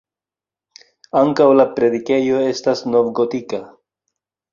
Ankaŭ la predikejo estas novgotika.